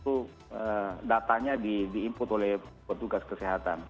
itu datanya di input oleh petugas kesehatan